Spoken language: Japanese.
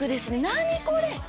何これ！